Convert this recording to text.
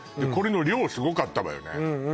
これの量すごかったわよね